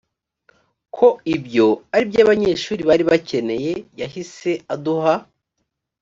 ko ibyo ari byo abanyeshuri bari bakeneye yahise aduha